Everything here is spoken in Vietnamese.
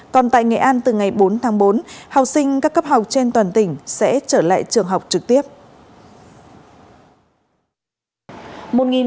còn tại nghệ an từ ngày bốn tháng bốn học sinh các cấp học trên toàn tỉnh sẽ trở lại trường học trực tiếp